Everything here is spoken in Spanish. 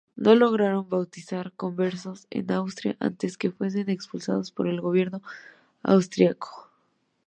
No lograron bautizar conversos en Austria, antes que fuesen expulsados por el gobierno austríaco.